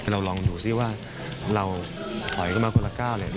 เราลองดูซิว่าเราถอยกันมาคนละก้าวเลย